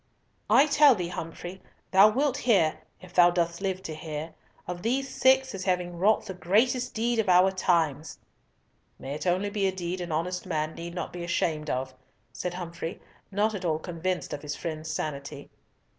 "I tell thee, Humfrey, thou wilt hear—if thou dost live to hear—of these six as having wrought the greatest deed of our times!" "May it only be a deed an honest man need not be ashamed of," said Humfrey, not at all convinced of his friend's sanity.